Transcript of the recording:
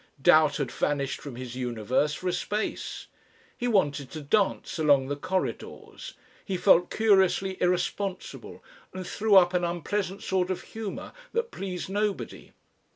Doubt had vanished from his universe for a space. He wanted to dance along the corridors. He felt curiously irresponsible and threw up an unpleasant sort of humour that pleased nobody.